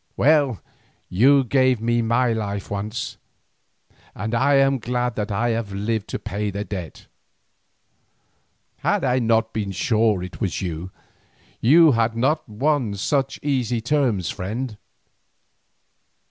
Well, you gave me my life once, and I am glad that I have lived to pay the debt. Had I not been sure that it was you, you had not won such easy terms, friend.